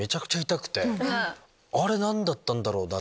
あれ何だったんだろうな？